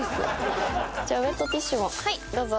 じゃあウェットティッシュもはいどうぞ。